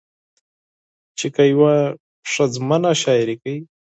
چې که يوه ښځمنه شاعري کوي